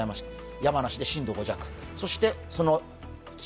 山梨で震度５弱。